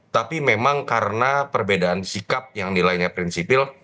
tapi memang karena perbedaan sikap yang nilainya prinsipil